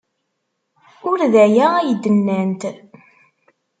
Ur d aya ay d-nnant.